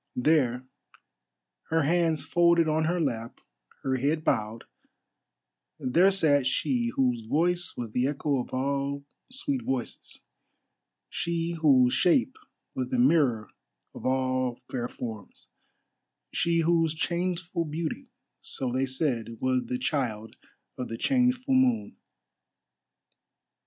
There, her hands folded on her lap, her head bowed—there sat she whose voice was the echo of all sweet voices, she whose shape was the mirror of all fair forms, she whose changeful beauty, so they said, was the child of the changeful moon.